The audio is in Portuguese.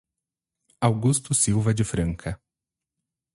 Augusto Silva de Franca